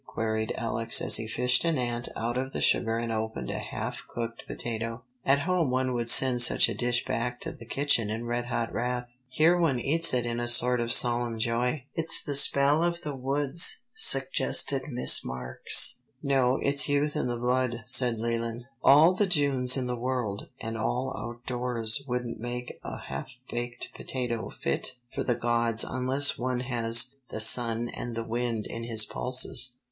queried Alex as he fished an ant out of the sugar and opened a half cooked potato. "At home one would send such a dish back to the kitchen in red hot wrath. Here one eats it in a sort of solemn joy." "It's the spell of the June woods," suggested Miss Marks. "No, it's youth in the blood," said Leland. "All the Junes in the world and all outdoors wouldn't make a half baked potato fit for the gods unless one has 'the sun and the wind in his pulses.'"